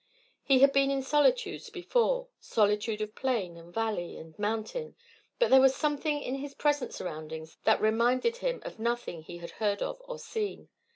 He had been in solitudes before, solitude of plain and valley and mountain; but there was something in his present surroundings that reminded him of nothing he had heard of or seen.